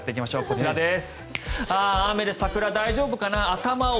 こちらです。